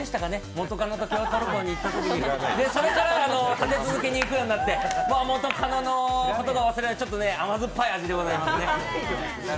元カノと京都旅行に行ったときにで、それから立て続けに行くようになって元カノのことが忘れられず、甘酸っぱい味でございますね。